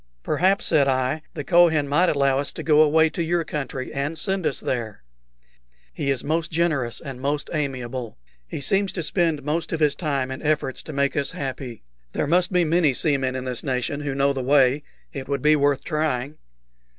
"Perhaps," said I, "the Kohen might allow us to go away to your country, and send us there. He is most generous and most amiable. He seems to spend most of his time in efforts to make us happy. There must be many seamen in this nation who know the way. It would be worth trying."